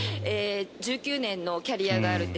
１９年のキャリアがあると。